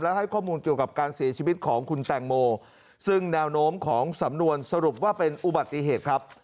ให้ข้อมูลเกี่ยวกับการเสียชีวิตของคุณแตงโมซึ่งแนวโน้มของสำนวนสรุปว่าเป็นอุบัติเหตุครับ